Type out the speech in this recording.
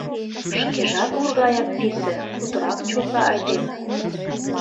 Шкежат ур гаяк писе, путырак чолга айдеме.